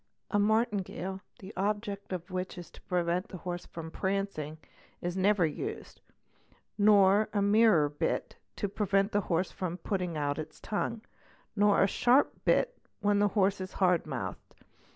A martingale, the object of which is to prevent the orse from prancing, is never used, nor a mirror bit to prevent the orse putting out its tongue, nor a sharp bit when the horse is hard houthed.